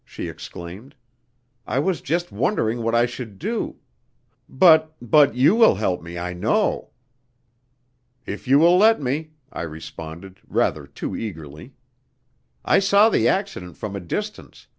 she exclaimed. "I was just wondering what I should do. But but you will help me, I know." "If you will let me," I responded, rather too eagerly. "I saw the accident from a distance.